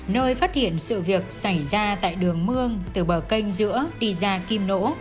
nơi phát hiện sự việc xảy ra tại đường mương từ bờ kênh giữa đi ra kim nỗ